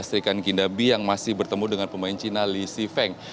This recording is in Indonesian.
srikan kindabi yang masih bertemu dengan pemain cina li sifeng